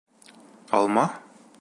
— Алма?..